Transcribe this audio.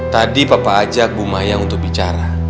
tadi papa ajak bu maya untuk bicara